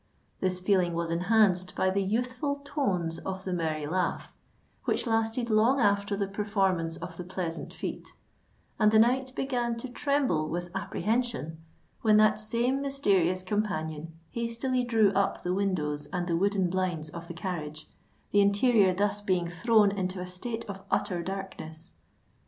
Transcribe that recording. This feeling was enhanced by the youthful tones of the merry laugh, which lasted long after the performance of the pleasant feat; and the knight began to tremble with apprehension, when that same mysterious companion hastily drew up the windows and the wooden blinds of the carriage, the interior thus being thrown into a state of utter darkness.